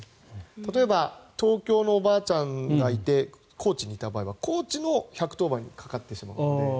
例えば東京のおばあちゃんがいて高知にいた場合は高知の１１０番にかかってしまうので。